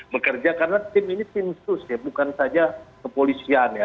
bekerja karena tim ini tim sus ya bukan saja kepolisian ya